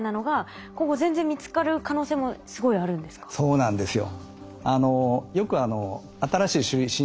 そうなんですよ。